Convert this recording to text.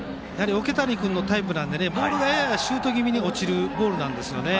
桶谷君のタイプはボールがややシュート気味に落ちるボールなんですね。